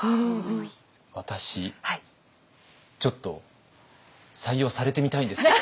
私ちょっと採用されてみたいんですけど。